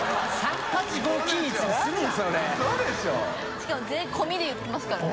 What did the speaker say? しかも税込みで言ってますからね。